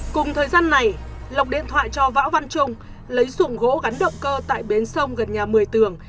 cùng thời gian này lộc điện thoại cho võ văn trung lấy dụng gỗ gắn động cơ tại bến sông gần nhà một mươi tường